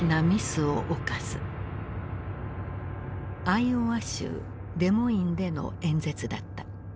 アイオワ州デモインでの演説だった。